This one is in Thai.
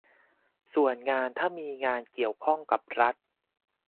ส่วนถ้ามีงานเกี่ยวข้องกับรัฐ